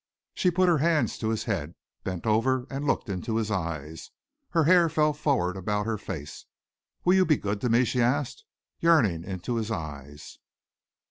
She put her hands to his head, bent over and looked into his eyes; her hair fell forward about her face. "Will you be good to me?" she asked, yearning into his eyes.